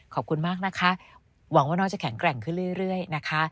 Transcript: ขอบคุณมากนะคะหวังว่าน้องจะแข็งแกร่งขึ้นเรื่อยนะคะ